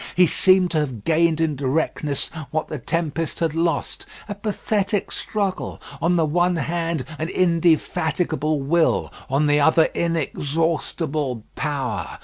He seemed to have gained in directness what the tempest had lost. A pathetic struggle! On the one hand, an indefatigable will; on the other, inexhaustible power.